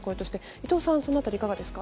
伊藤さん、そのあたり、いかがですか？